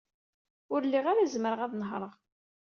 Ur lliɣ ara zemreɣ ad nehṛeɣ.